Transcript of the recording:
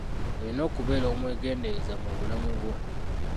Olina okubeera omwegendereza mu bulamu bwo.